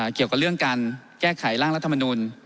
เกี่ยวกับเรื่องการแก้ไขร่างรัฐมนุน